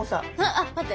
あっ待って。